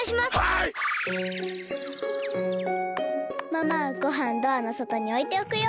ママごはんドアのそとにおいておくよ。